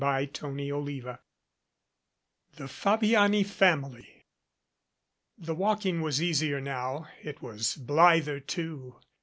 CHAPTER XIV THE FABIANI FAMILY THE walking was easier now. It was blither, too.